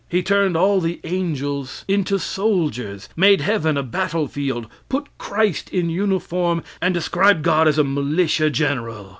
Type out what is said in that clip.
He turned all the angels into soldiers made heaven a battle field, put Christ in uniform, and described God as a militia general.